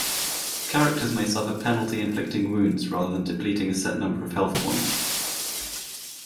Characters may suffer penalty-inflicting wounds rather than depleting a set number of health points.